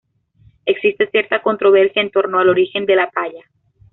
Existe cierta controversia en torno al origen de la talla.